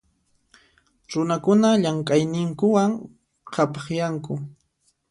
Runakuna llamk'ayninkuwan qhapaqyanku.